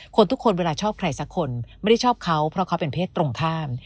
คนทุกคนเวลาชอบใครสักคนไม่ได้ชอบเขาเพราะเขาเป็นเพศตรงข้าม